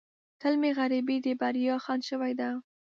تل مې غریبۍ د بریا خنډ شوې ده.